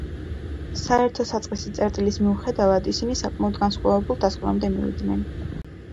სართო საწყისი წერტილის მიუხედავად, ისინი საკმაოდ განსხვავებულ დასკვნებამდე მივიდნენ.